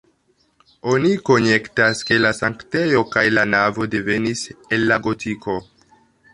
Oni konjektas, ke la sanktejo kaj la navo devenis el la gotiko.